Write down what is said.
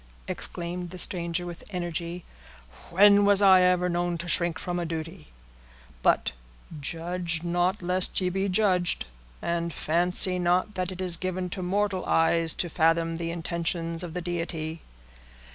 exclaimed the stranger, with energy, "when was I ever known to shrink from a duty? But 'judge not lest ye be judged,' and fancy not that it is given to mortal eyes to fathom the intentions of the Deity."